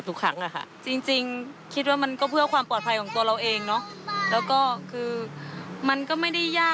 บางครั้งบางที